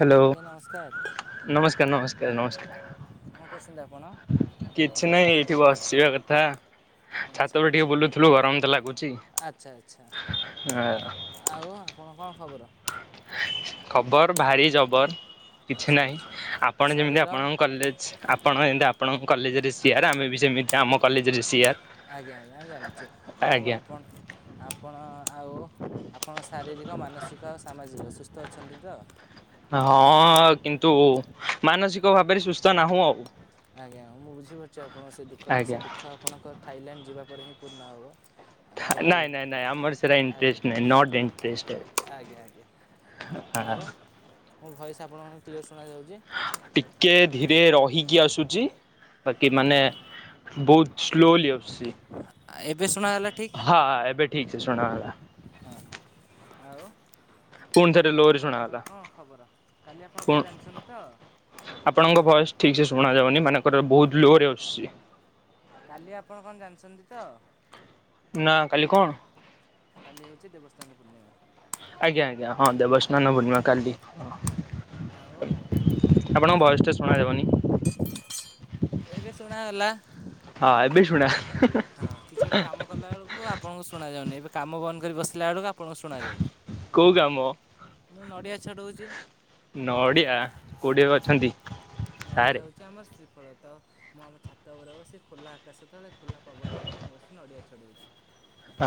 Hello ଆଜ୍ଞା ନମସ୍କାର ନମସ୍କାର ନମସ୍କାର ନମସ୍କାର। କଣ କରୁଛନ୍ତି ଆପଣ? କିଛି ନାଇଁ ଏଇଠି ବସିବା କଥା। ଆଚ୍ଛା ଛାତ ଉପରେ ଆଚ୍ଛା ଟିକେ ବୁଲୁଥୁଲୁ ଗରମ ତ ଲାଗୁଚି ଆଚ୍ଛା ଆଚ୍ଛା ଆ। ଆଉ ଆପଣଙ୍କ କଣ ଖବର? ଖବର୍ ଭାରି ଜବର୍। କିଛି ଆଚ୍ଛା ନାହିଁ। ଆଚ୍ଛା ଆପଣ ଯେମିତି ଶରୀର ଆପଣଙ୍କ କଲେଜ ଆପଣ ଯେମିତି ଆ ଆପଣଙ୍କ କଲେଜରେ ସିଆର୍ ଆମେ ବି ସେମିତି ଆମ କଲେଜରେ ସିଆର୍। ଆଜ୍ଞା ଆଜ୍ଞା ଜାଣିଚୁ ଆଉ ଆଜ୍ଞା ଆପଣ ଆପଣ ଆଉ ଆପଣ ଶାରୀରିକ ମାନସିକ ଆଉ ସାମାଜିକ ସୁସ୍ଥ ଅଛନ୍ତି ତ? ହଁ କିନ୍ତୁ ମାନସିକ ଭାବରେ ସୁସ୍ଥ ନାହୁଁ ଆଉ। ଆଜ୍ଞା ମୁଁ ବୁଝିପାରୁଚି ଆପଣଙ୍କ ସେ ଦୁଃଖଟା ଆଜ୍ଞା ସେ ଦୁଃଖ ଆପଣଙ୍କର୍ ଥାଇଲାଣ୍ଡ ଯିବା ପରେ ହିଁ ପୂର୍ଣ୍ଣ ହେବ। ନାଇଁ ଆଉ ନାଇଁ ନାଇଁ ଆମର ସେଟା ଆଜ୍ଞା ଇଣ୍ଟରେଷ୍ଟ୍ ନାହିଁ। ନଟ୍ ଆଜ୍ଞା ଆଜ୍ଞା ଇଣ୍ଟରେଷ୍ଟେଡ୍। ହ। ଆଉ ମୋ ଭଏସ ଆପଣଙ୍କୁ କ୍ଲିଅର୍ ଶୁ ଟିକେ। ଟିକେ ଟିକେ ରହିକି ଆସୁଚି ବାକି ମାନେ ବହୁତ୍ ସ୍ଲୋଲି ଆସୁଚି। ଆ ଏବେ। ଶୁଣାଗଲା ଠିକ୍ ହଁ ଏବେ ଠିକ ସେ ଶୁଣାଗଲା। ଆଉ ପୁଣି ଥରେ ଆଉ ଲୋ ରେ ଆପଣଙ୍କର ଶୁଣାଗଲା। କଣ ଖବର କାଲି ଆପଣ ପୁଣ କଣ ଜାଣିଚନ୍ତି ତ? ଆପଣଙ୍କ ଭଏସ ଠିକ ସେ ଶୁଣା ଯାଉନି। ମାନେର ବହୁତ ଲୋ ରେ ଆସୁଚି। କାଲି ଆପଣ କଣ ଜାଣିଛନ୍ତି ତ? ନା କାଲି କଣ? କାଲି ହଉଚି ଦେବସ୍ନାନ ପୂର୍ଣ୍ଣିମା। ଆଜ୍ଞା ଆଜ୍ଞା ହଁ ଦେବ ସ୍ନାନ ପୂର୍ଣ୍ଣିମା କାଲି ହଁ। ଆଉ ଆପଣଙ୍କ ଭଏସ୍ ଟା ଶୁଣାଯାଉନି। ଏବେ ଶୁଣାଗଲା? ହଁ ଏବେ ଶୁଣା ହଁ କିଛି ଗୋଟେ କାମ କଲା ବେଳକୁ ଆପଣଙ୍କୁ ଶୁଣା ଯାଉନି। ଏବେ କାମ ବନ୍ଦ କରି ବସିଲା ବେଳକୁ ଆ ଆପଣଙ୍କୁ କୋଉ କାମ ଶୁଣାଯାଉଚି। ମୁଁ ନଡ଼ିଆ ଛଡଉଚି। ୟା କୋଉଠି ଏବେ ଅଛନ୍ତି ନଡ଼ିଆ ସାରେ? ହେଉଛି ଆମର ଶ୍ରୀଫଳ। ତ ମୁଁ ଆମ ଛାତ ଉପରେ ବସି ଖୋଲା ଆକାଶ ତେଳେ ଖୋଲା ପବନରେ ମୁଁ ବସି ନଡ଼ିଆ ଛଡଉଚି।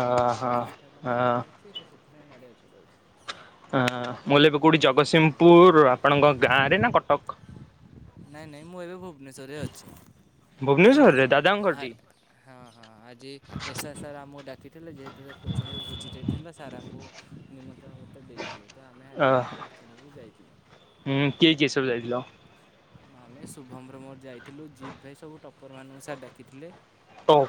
ଅ ଆମର ହଁ। ଆଜି ପିଠା ପଣା ଅ ହବାର ଅଛି ତ ସେଥିପାଇଁ ନଡ଼ିଆ ଛଡଉଚି। ହଁ ମୁଁ ହେଲେ ଏବେ କୋଉଠି ଜଗତସିଂହପୁର ଆପଣଙ୍କ ଗାଁ ରେ ନା କଟକ? ନାଇ ନାଇ ମୁଁ ଏବେ ଭୁବନେଶ୍ଵରରେ ଅଛି। ଭୁବନେଶ୍ୱରରେ ଦାଦାଙ୍କ ଆ ଘର ଟି? ହଁ ହଁ ଆଜି ଏସ୍ଆର୍ ସାର୍ ଆମକୁ ଡାକିଥିଲେ ଯେହେତୁ ସେ କୋଚିଂରୁ ବୁଝି ଦେଇଥିଲା ସାର୍ ଆମକୁ ନିମନ୍ତ୍ରଣ ପତ୍ର ଦେଇଥିଲେ। ତ ଆମେ ଅ ଆଜି କୋଚିଂକୁ ଯାଇଥିଲୁ। ହୁଁ କିଏ କିଏ ସବୁ ଯାଇଥିଲ? ଆମେ ଶୁଭମ୍ ର ମୋର ଯାଇଥିଲୁ। ଜିତ୍ ଭାଇ ସବୁ ଟପ୍ପର ମାନଙ୍କୁ ସାର୍ ଡାକିଥିଲେ। ତ ଓଃ।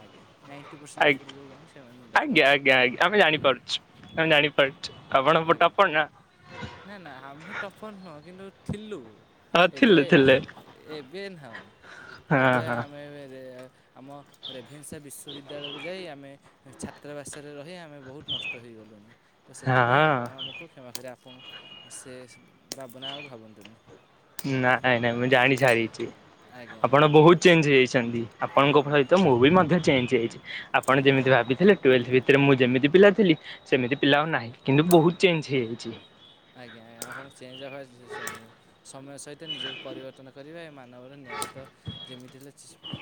ଆଜ୍ଞା ନାଇଣ୍ଟି ପରସେଣ୍ଟ ଆଇ ଉପରେ ଯେଉଁମାନେ ସେମାନଙ୍କୁ ଆଜ୍ଞା ଡାକିଥିଲେ ଆଜ୍ଞା ଆଜ୍ଞା ଆମେ ଜାଣିପାରୁଛୁ। ଆମେ ଜାଣିପାରୁ ଆଜ୍ଞା ନାଇଁ ନାଇ ଆମେ ଟଫର୍ ନୁହଁ କିନ୍ତୁ ଥିଲୁ। ହଁ ଥିଲେ ଥିଲେ ଏବେ-ଏବେ ନାହୁଁ ହଁ ଏବେ ହଁ ଆମେ ଆମ ରେଭେନ୍ସା ବିଶ୍ୱବିଦ୍ୟାଳୟକୁ ଯାଇ ଆମେ ଛାତ୍ରାବାସରେ ରହି ଆମେ ବହୁତ ନଷ୍ଟ ହୋଇଗଲୁଣି ତ ହଁ ସେଥିପାଇଁ ଆପଣ ଆମକୁ କ୍ଷମା କରି ଆପଣ ସେ ଭାବନା ଆଉ ଭାବନ୍ତୁନି। ନାଇଁ-ନାଇଁ ମୁଁ ଜାଣି ସାରିଛି। ଆଜ୍ଞା ଆଜ୍ଞା ଆପଣ ବହୁତ ଚେଞ୍ଜ ହେଇଯାଇଛନ୍ତି। ନା ଆପଣଙ୍କ ନା ସହିତ ମୁଁ ବି ମଧ୍ୟ ଚେଞ୍ଜ ହେଇଛି। ଆପଣ ଯେମିତି ଭାବିଥିଲେ ଟୁଲ ଭିତ ସେଥିରେ ମୁଁ ଯେମିତି ପିଲାଥିଲି ସେମିତି ପିଲା ହେଉ ନାହିଁ କିନ୍ତୁ ବହୁତ ଚେଞ୍ଜ ହେଇଯାଇଛି। ଆଜ୍ଞା ଆ-ଆପଣ ଚେଞ୍ଜ ହବା ସମୟ ସହିତ ନିଜକୁ ପରିବର୍ତ୍ତନ କରିବା ଏ ମାନବର ନିୟମ ତ ଯେମିତି ଥିଲା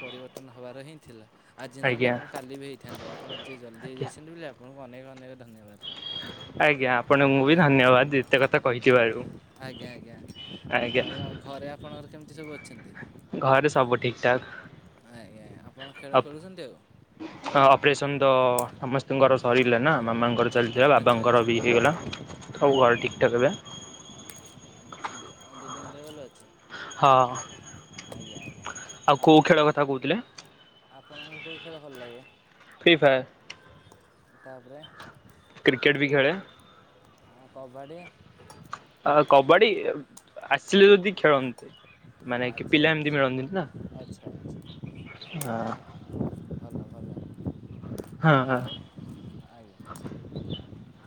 ପରିବର୍ତ୍ତନ ହେବାର ହିଁ ଥିଲା। ଆଜି ନହେଲେ ଆଜ୍ଞା ଆପଣ କାଲି ବି ହେଇଥାନ୍ତେ ଆପଣ ଯିଏ ଜଲ୍ଦି ଆଜ୍ଞା ହେଇଯାଇଛନ୍ତି ବୋଲି ଆପଣଙ୍କୁ ଅନେକ-ଅନେକ ଆଜ୍ଞା ଆପଣଙ୍କୁ ବି ଧନ୍ୟ ଆଜ୍ଞା ଧନ୍ୟବାଦ ଏତେ କଥା କହିଥିବାରୁ ଆଜ୍ଞା ଆଜ୍ଞା ଆଜ୍ଞା। ଆଉ ଆଉ ଘରେ ଆପଣଙ୍କର କେମିତି ସବୁ ଅଛନ୍ତି? ଘରେ ସବୁ ଠିକ୍ ଠାକ୍। ଆଜ୍ଞା ଆପଣ ଖେଳ ଖେଳୁଛନ୍ତି ଆଉ? ପସନ୍ଦ ସମସ୍ତଙ୍କର ସରିଲେ ନା। ମାମାଙ୍କର ଆ- ଚାଲିଥିଲା ଆଚ୍ଛା ବାବାଙ୍କର ଆଚ୍ଛା ବି ହେଇଗଲା ହଁ ସବୁ ୱାଲ ହଁ। ଠିକ୍ ଠାକ୍ ଏବେ। ଆଉ ଦିଦିଙ୍କ ଦେହ ଭଲ ଅଛି। ହଁ ଆଜ୍ଞା ଆଜ୍ଞା। ଆଉ କୋଉ ଖେଳ କଥା କହୁଥିଲେ? ଆପଣଙ୍କୁ କଉ ଖେଳ ଭଲ ଲାଗେ? ଫ୍ରି ଫାୟାର ତାପରେ କ୍ରିକେଟ ବି ଖେଳେ। କବାଡ଼ି? ଆ କବାଡି ଆସିଲେ ଯଦି ଖେଳନ୍ତେ ମାନେ କି ଆଚ୍ଛା ପିଲା ଏମତି ଆଚ୍ଛା ମିଳନ୍ତି ନା। ଆଚ୍ଛା ଆଚ୍ଛା ହଁ ହଁ ଭଲ ଭଲ। ହଁ-ହଁ। ଆଉ ଆଜ୍ଞା।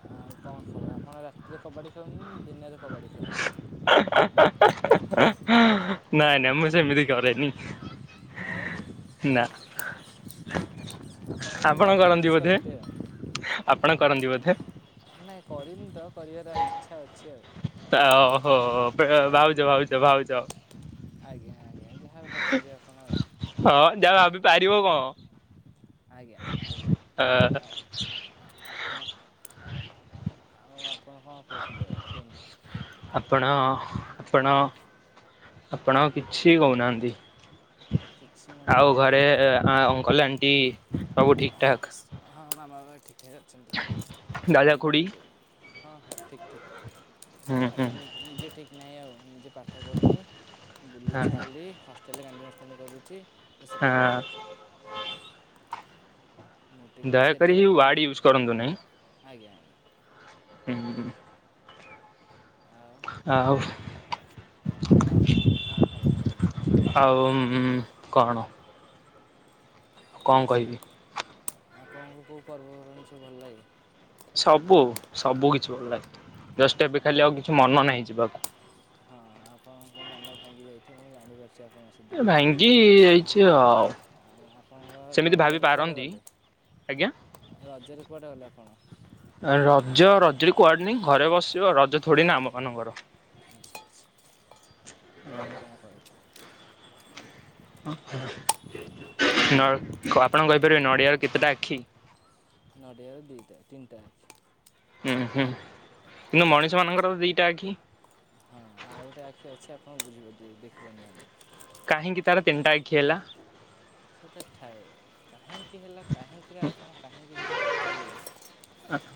ଆଉ କଣ ଖବର ଆପଣ ରାତିରେ କବାଡ଼ି ଖେଳନ୍ତି ନା ଦିନରେ କବାଡ଼ି ଖେଳନ୍ତି? [unintelligible] ନାଇଁ-ନାଇଁ ଆଉ ମୁଁ ସେମିତି କରେନି ଆଉ ନା। [inaudible] କିନ୍ତୁ ଆପଣ ମ୍ୟାଥ୍ କରନ୍ତି ପ୍ରାକ୍ଟିସ୍ ବୋଧେ? କରନ୍ତିୁ ଆପଣ କରନ୍ତି ବୋଧେ ଆଉ ହଁ ନାଇଁ କରିନି ତ କରିବାର ଇଚ୍ଛା ଅଛି। ଆଉ ତା ଓ ହୋ ଆଜ୍ଞା ଆଜ୍ଞା ଭାଉଜ-ଭାଉଜ-ଭାଉଜ। ଆଜ୍ଞା ଆଜ୍ଞା ଯାହା ଭାବିପାରିବେ ଆପଣ ଆଉ ହଁ ଯାହା ଭାବି ପାରିବ କଣ? ଆଜ୍ଞା-ଆଜ୍ଞା କଣ? ଆ ଆପଣ ଆଉ ଆପଣ କଣ କହୁଛନ୍ତି ଆଉ କୁହନ୍ତୁ? ଆପଣ-ଆପଣ କିଛି କହୁନାହାନ୍ତି। କିଛି ମାନେ ଆଉ କ'ଣ ଘରେ କୁହନ୍ତୁ ଅଙ୍କଲ ଆଣ୍ଟି ସବୁ ଠିକ ଠାକ୍। ଆମର ଠିକ୍ ଠାକ୍ ଅଛନ୍ତି ଦାଦା ମାମାର ଖୁଡ଼ି ଖାଲି ଦେ ହଁ-ହଁ ଠିକ୍-ଠିକ୍। ହୁଁ ହୁଁ ଆଜି ନିଜେ ଠିକ ନାହିଁ ଆଉ। ନିଜେ ପାଠ ପଢୁନି ହଁ ବୁଲୁଛି ଖାଲି ହଷ୍ଟେଲରେ ଗାଣ୍ଡି ମସ୍ତାନି କରୁଛି। ତ ହଁ ସେଥିପାଇଁ ମୁଁ ଟିକେ ଦୟାକରି ସେଥିପାଇଁ ଇଉ ମୁଁ ୱାଡ ଟିକେ ୟୁଜ୍ କରନ୍ତୁ ନାହିଁ। ଆଜ୍ଞା ଆଜ୍ଞା ହୁଁ-ହୁଁ। ଆଉ ଆଉ ଆଉ ଆପଣ କଣ ଖବର କୁହନ୍ତୁ ଆଉ ଉଁ କଣ? ଆଉ କଣ ଏଇସବୁ କହିବି? ଆପଣଙ୍କୁ କୋଉ ପର୍ବ ପର୍ବାଣୀ ସବୁ ଭଲ ଲାଗେ? ସବୁ ସବୁ କିଛି ଭଲ ଲାଗେ। ଜଷ୍ଟ ଏବେ ହଁ ଖାଲି ଆଉ କିଛି ମନ ନାହିଁ ଯିବାକୁ ହଁ ଆପଣଙ୍କ ମନ ଭାଙ୍ଗି ଯାଇଥିବ ମୁଁ ଜାଣିପାରୁଛି। ଆପଣଙ୍କ ସେ ଭାଙ୍ଗି ଯାଇଛି ଆଉ। ଆଜ୍ଞା ଆପଣଙ୍କର ସେମିତି ଭାବି ରଜରେ କୁଆଡ଼େ ପାରନ୍ତି ଗଲେ? ଆଜ୍ଞା ରଜରେ କୁଆଡ଼େ ଗଲେ ଆପଣ ରଜ ରଜରେ କୁଆଡେ ନାହିଁ। ଘରେ ବସିଛୁ ରଜ ଥୋଡିିନା ଆମ ମାନଙ୍କର। ଆଚ୍ଛା ଆଚ୍ଛା ହଁ ଯାହା ଆପଣ କରିଛନ୍ତି। ନ ଆପଣ କହିପାରିବେ ନଡିଆର କେତେଟା ଆଖି? ନଡ଼ିଆରେ ଦିଟା ତିନିଟା ଆଖି। ହୁଁ ହୁଁ କିନ୍ତୁ ମଣିଷ ମାନଙ୍କର ତ ଦିଟା ଆଖି। ହଁ ଆଉ ଗୋଟେ ଆଖି ଅଛି ଆପଣ ବୁଝିପାରିବେ ଦେଖି ପାରୁନାହାନ୍ତି। କାହିଁକି ତାର ତିନିଟା ଆଖି ହେଲା? ସେଟା ଥାଏ କାହିଁକି ହେଲା କାହିଁକିର ଆପଣ କାହିଁକି ଯଦି ପଚାରିବେ। ଆଛା।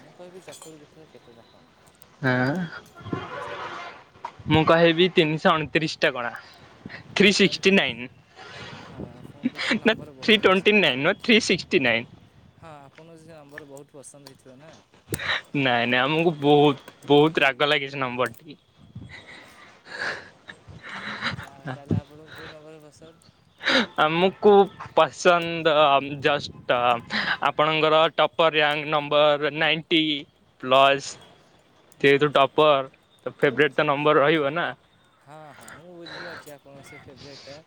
ମୁଁ କହିବି ଚକୁଳି ପିଠାର କେତେଟା କଣା? ହଁ ଆପଣ ଆନ୍ସର୍ ଦେଲେ ମୁଁ କହିବି ତିନିଶହ ଅଣତିରିଶି ଟା କଣା। ଥ୍ରୀ ସିକ୍ସଟି ଗଣିଥିଲି ନାଇନ୍। ହଁ ଆପଣଙ୍କୁ ତ ସେ ନା ନମ୍ବର ବହୁତ ଥ୍ରୀ ପସନ୍ଦ ଟୋଣ୍ଟି ନାଇନ ନା ଥ୍ରୀ ସିକ୍ଟୀ ନାଇନ। ହଁ ଆପଣଙ୍କୁ ସେ ନମ୍ବର ବହୁତ ପସନ୍ଦ ହେଇ ନାଇଁ ନାଇଁ ଆମକୁ ବହୁତ ବହୁତ ରାଗ ଲାଗିଛି ନମ୍ବରଟି। ଆଚ୍ଛା ତାହେଲେ ଆପଣଙ୍କୁ କୋଉ ନମ୍ବର ପସନ୍ଦ? ଆମକୁ ପସନ୍ଦ ଜଷ୍ଟ ଆପଣଙ୍କର top of. Ranking number ninety plus. ଯେହେତୁ ଆଚ୍ଛା ଟପର ତ ଫେବଟ ଆଚ୍ଛା ତ ଆଚ୍ଛା ନମ୍ବର ରହିବ ନା। ହଁ, ହଁ ମୁଁ ବୁଝିପାରୁଛି ଆପଣଙ୍କ ସେ ଫେବରାଇଟ୍ ଟା।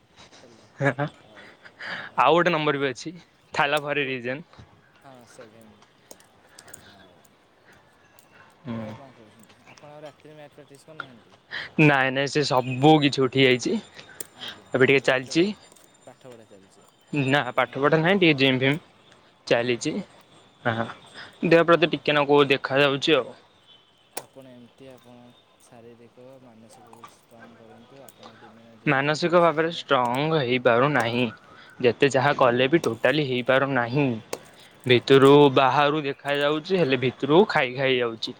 ହେ ହା ଆଉ ଗୋଟେ ନମ୍ବର ବି ଅଛି। ଖାଇବା ଆଉ ପରେ କଣ ଏ ଯାକ। ହଁ ଆଉ ଆଉ କଣ କହୁଛନ୍ତି ଆ ଆପଣ ରାତିରେ ମ୍ୟାଥ୍ ମେଟିକ୍ସ୍ ନାଇଁ ନାଇଁ ସେ ସବୁ ବୋଉ କିଛି ଉଠିଯାଇଛି। ଆଜ୍ଞା ଏବେ ଟିକେ ଏବେ କେବଳ ପାଠପଢ଼ା ଚାଲିଛି ଚାଲିଛି ନା ଆପଣ ପାଠ ପଢା ନାହିଁ ଟିକେ ଜିମ୍ ଫିମ୍ ଆଚ୍ଛା ଚାଲିଛି ଆହା ଆଚ୍ଛା ଦେହ ହଁ ପ୍ରତି ଟିକେ ନାଗୁ ଦେଖା ଯାଉଛି ଆଉ। ଆପଣ ଏମିତି ଆପଣ ଶାରୀରିକ ମାନସିକକୁ ଷ୍ଟ୍ରଙ୍ଗ୍ କରନ୍ତୁ। ଆ ମାନସିକ ଭାବରେ ଷ୍ଟ୍ରଙ୍ଗ ହେଇପାରୁନାହିଁ। ଯେତେ ଯାହା କଲେ ବି ଟୋଟାଲି ହେଇପାରୁନାହିଁ। ହଁ ଭିତରୁ ବାହାରୁ ଦେଖା ଯାଉଛି ହେଲେ ଭିତରୁ ଖାଇ ଖାଇ ଯାଉଛି।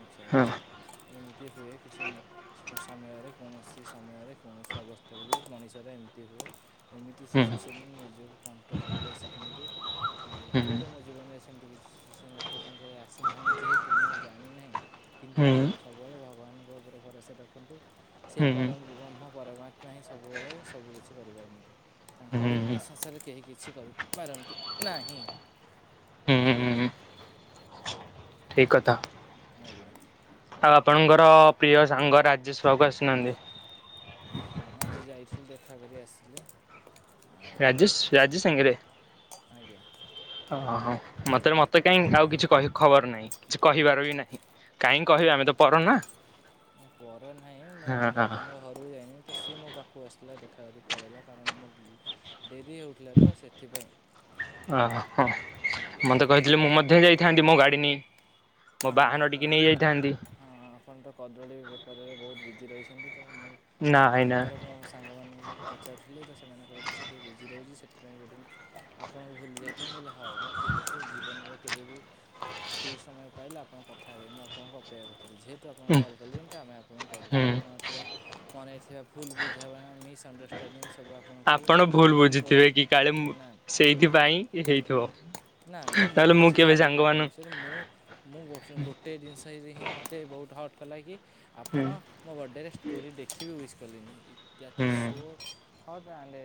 ଆଚ୍ଛା ହଁ ଆଚ୍ଛା ଏମିତି ହୁଏ କିଛି। ସମୟରେ କୌଣସି ସମୟରେ କୌଣସି ଅବସ୍ଥାରେ ବି ମଣିଷର ଏମିତି ହୁଏ। ଏମିତି ହୁଁ ସିଚୁଏସନ ନିଜକୁ କଣ୍ଟ୍ରୋଲ କରିବା ଶିଖନ୍ତୁ। ଆଉ ହୁଁ ହୁଏତ ମୋ ଜୀବନରେ ସେମିତି କି ସି ସିଚିଏସନ୍ ଏପର୍ଯ୍ୟନ୍ତ ଯାଏଁ ଆସିନାହିଁ ଯେହେତୁ ମୁଁ ଜାଣିନାହିଁ, କିନ୍ତୁ ହୁଁ ଆପଣ ସବୁବେଳେ ଭଗବାନ ଉପରେ ଭରସା ରଖନ୍ତୁ ସେଇ ହୁଁ ପରମବ୍ରହ୍ମ ପରମ ଆ ପାଇଁ ହିଁ ସବୁବେଳେ ସବୁ କିିଛି କରିପାରନ୍ତି। ତାଙ୍କ ହୁଁ ବିନ୍ ସଂସାରରେ କେହି କିଛି କରିପାରନ୍ତି ନାହିଁ। ହୁଁ ବୁଝିପାରିଲେ? ଠିକ୍ କଥା। ଆଜ୍ଞା। ଆଉ ଆପଣଙ୍କର ପ୍ରିୟ ସାଙ୍ଗ ରାଜେଶ୍ ବାବୁ ଆସିନାହାନ୍ତି? ହଁ, ଆଜି ଯାଇଥିଲି ଦେଖା କରି ଆସିଲି। ଆଉ ରାଜେଶ ରାଜୁ ସାଙ୍ଗରେ? ଆଜ୍ଞା। ଓ ହୋ ମତେ ମତେ କାହିଁ ଆଉ କିଛି କହି ଖବର ନାହିଁ, କିଛି କହିବାର ବି ନାହିଁ, କାହିଁକି କହିବେ ଆମେ ତ ପର ନା। ପର ନାହିଁ, ମୁଁ ହଁ ରାଜାଙ୍କ ଘରକୁ ଯାଇନି ତ ସିଏ ମୋ ପାଖକୁ ଆସିଥିଲା ଦେ ଖା କରି ପଳେଇଲା, କାରଣ ମୋର ଡେରି ହେଉଥିଲା ତ ସେଥିପାଇଁ। ଓ ହ ଆଜ୍ଞା ମତେ କହିଥିଲେ ମୁଁ ମଧ୍ୟ ଯାଇଥାନ୍ତି। ମୋ ଗାଡି ନେଇ। ମୋ ଓହୋ, ବାହାନ ଟିକେ ଆପଣ ନେଇ ଯାଇଥାନ୍ତି ହଁ ଆପଣ ତ କଦଳୀ ବେପାରରେ ବହୁତ ବିଜି ରହିଛନ୍ତି। ମୁଁ ଆପଣଙ୍କ ନାଇଁ ନା ଖବର ମୋ ସାଙ୍ଗମାନଙ୍କୁ ପଚାରୁଥିଲି ତ, ସେମାନେ କହିଲେ ସେ ଟିକେ ବିଜି ରହୁଛି ସେ ସେଥିପାଇଁ ଆପଣଙ୍କୁ ଭୁଲି ଯାଇଥିବେ, ମୁଁକହିଲି ହଉ ହଉ ଠିକ୍ ଅଛି, ଜୀବନରେ କେବେ ବିି ଫ୍ରି ସମୟ ପାଇଲେ ଆପଣ କଥା ହେବେ, ମୁଁ ଆପଣଙ୍କୁ ଅପେକ୍ଷା କ ଯେହେତୁ ଆପଣ କଲ୍ ହୁଁ କଲେଣି ତ ଆମେ ଆପଣଙ୍କୁ କଲ୍ କଲୁ, ଆପଣ ଥିବା ମନରେ ଥିବା ଭୁଲ୍ ବୁଝାମଣା ମିସ୍ ଅଣ୍ଡରଷ୍ଟାନଡ୍ଡିସ୍ ଆପଣ ଭୁଲ ବୁଝିଥିବେ କି କାଳେ, ମୁଁ, ନା ସେଇଥିପାଇଁ ହେଇଥିବ। ନା ନା ମୁଁ ନହେଲେ କିଛି କେବେ ଭାବିନି ଆପଣଙ୍କ ସାଙ୍ଗମାନଙ୍କୁ ବିଷୟରେ ମୁଁ ମୁଁ ଗୋଟେ ଜିନିଷ ହେଇ ହିଁ ମୋତେ ବହୁତ ହଟ୍ କଲା କି ଆପଣ ହୁଁ ମୋ ବର୍ଡ଼େରେ ଷ୍ଟୋରି ଦେଖିକି ୱିସ୍ କଲେନି। ଯାତି ହୁଁ ସୋ [unintelligible] ହଁଟଣ୍ଡେ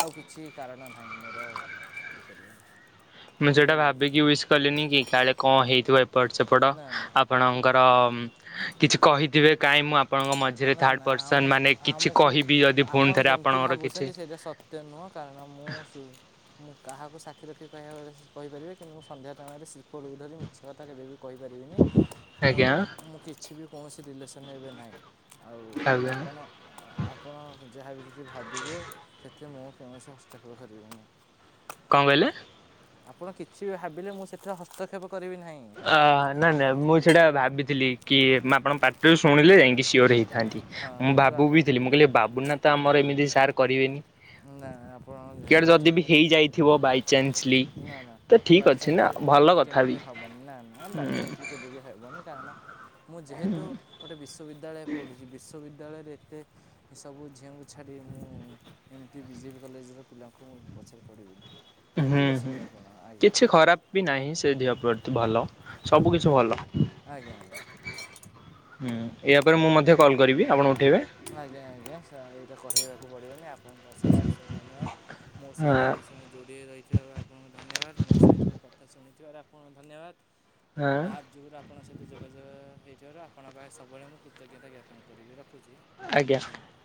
ଆଉ କିଛି କାରଣ ନାହିଁ ମୋର [unintelligible] [inaudible] ମୁଁ ସେଇଟା ବୁଝିପାରିଲେ ଭାବିକି ୱିସ୍ କଲିନି କି, କାଳେ କଣ ହଁ ହେଇଥିବ ଏପଟ ସେପଟ ନା ନା ଆପଣଙ୍କର କିଛି କହିଥିବେ, କାଇଁ ମୁଁ ଆପ ଆପଣଙ୍କ ମଝିରେ ନା ଥାର୍ଡ଼ ନା ଆମ ପର୍ସନ୍ ମାନେ କିଛି ଆମକୁ କହିବି ଯଦି ଆପଣ ପୁଣି ଥରେ ଯେମିତି ଆପଣଙ୍କର କିଛି ଭାବୁଛନ୍ତି ସେଇଟା ସତ୍ୟ ନୁହଁ କାରଣ ମୁଁ, ମୁଁ କାହାକୁ ସାକ୍ଷୀ ରଖି କ କହିପାରିବି କିନ୍ତୁ ମୁଁ ସନ୍ଧ୍ୟା ଟମ ପଳକୁ ଧରି ମିଛ କଥା କେବେବି କହିପାରିବିନି, ମୋର ଆଜ୍ଞା ମୁଁ କିଛି ବି କୌଣସି ରିଲେସନ୍ ଏବେ ନାହିଁ ଆଉ ଆଜ୍ଞା ଆପଣ, ଆପଣ ଯାହାବ କିଛି ଭାବିବେ, ଏ ମୁଁ କୌଣସି ହସ୍ତକ୍ଷେପ କରିବି ନାହିଁ। କଣ କହିଲେ? ଆପଣ କିଛି ଭାବିଲେ, ମୁଁ ସେଥିରେ ହସ୍ତକ୍ଷେପ କରିବି ନାହିଁ। ଅ ନାଇ ନାଇଁ ମୁଁ ସେଇଟା ଭାବିଥିଲି କି ଆପଣଙ୍କ ପାଟିରୁ ଶୁଣିଲେ ଯାଇ ସିଓର ହେଇଥାନ୍ତି, ହଁ ମୁଁ କିନ୍ତୁ ବାବୁ ଆପଣ ବି ଥିଲି ମୁଁ କହିଲି ବାବୁ ନା ତ ଆମର ଏମିତି ସାର୍ କରିବେନି ନା ଆପଣ କିଆଡେ ଯଦି ଠିକ୍ ବି ହେଇ ଯାଇଥିବ ବାଇଚନ୍ସଲି, ନା ନା ତ ଠିକ ଅଛି ନା। ଭଲ କଥା ବି ହଁ ହୁଁ ବାଇଚାନ୍ସ କେବେ ବି ହେବନି, କାରଣ- ମୁଁ ଯେହେତୁ ଗୋଟେ ବିଶ୍ୱବିଦ୍ୟାଳୟ ପ଼ଢୁଛି, ବିଶ୍ୱବିଦ୍ୟାଳୟ ବିଦ୍ୟାଳୟରେ, ଏତେ ସବୁ ଝିଅଙ୍କୁ ଛାଡ଼ି ମୁଁ ଏମିତି ବିଜେପି କଲେଜର ପିଲାଙ୍କୁ ମୁଁ ପଛରେ ପଢ଼ିବିନି ହୁଁ, ହୁଁ, କିଛି ଖରାପ ବି ନାହିଁ ସେ ଧିଅ ପ୍ରତି ଭଲ। ସବୁ କିଛି ହଁ ଭଲ, ଆଜ୍ଞା ହୁଁ ଏହାୟାପରେ ମୁଁ ମଧ୍ୟ କଲ୍ କରିବି ଆପଣଙ୍କ ଆଜ୍ଞା, ଆଜ୍ଞା, ଏଇଟା କହିବାକୁ ପଡ଼ିବନି ଆପଣଙ୍କୁ ଅଶେଷ ଅଶେଷ ଧନ୍ୟବାଦ। ମୋ ହଁ ସହିତ ଏତେ ସମୟ ଯୋଡି ରହିଥିବା ଆପଣଙ୍କୁ ଧନ୍ୟବାଦ, ମୋ ସହିତ ମୋ କଥା ଶୁଣି ଥିବାରୁ ଆପଣଙ୍କୁ ଧନ୍ୟବାଦ, ଏ ହଁ ଆପ ଯୋଗୁ ଆପଣ ମୋ ସହିତ ଯୋଗାଯୋଗ ହେ ହୋଇଥିବାରୁ ଆପଣ ପାଇଁ ସବୁବେଳେ ମୁଁ କୃତଜ୍ଞତା ଜ୍ଞାପନ କରିବି, ରଖୁଛି। ଆଜ୍ଞା। ଧନ୍ୟବାଦ।